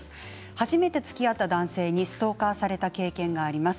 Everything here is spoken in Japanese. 初めてつきあった男性にストーカーされた経験があります。